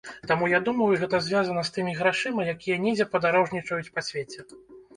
Таму, я думаю, гэта звязана з тымі грашыма, якія недзе падарожнічаюць па свеце.